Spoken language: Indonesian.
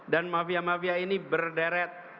dan mafia mafia ini berderet